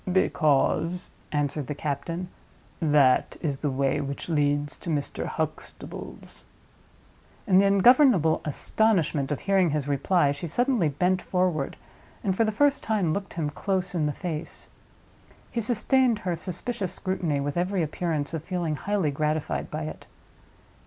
"Because," answered the captain, "that is the way which leads to Mr. Huxtable's." In the ungovernable astonishment of hearing his reply she suddenly bent forward, and for the first time looked him close in the face. He sustained her suspicious scrutiny with every appearance of feeling highly gratified by it.